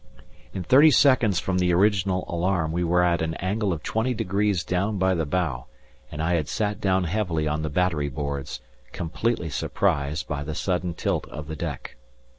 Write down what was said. In thirty seconds from the original alarm we were at an angle of twenty degrees down by the bow, and I had sat down heavily on the battery boards, completely surprised by the sudden tilt of the deck.